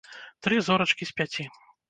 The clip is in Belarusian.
Тры зорачкі з пяці.